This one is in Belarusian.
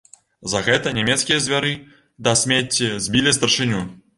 За гэта нямецкія звяры да смецці збілі старшыню.